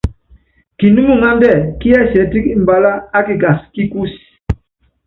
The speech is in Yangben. Kinúmiŋándɛ́ kiɛsiɛtɛ́k mbalá a kikas kí kúsí.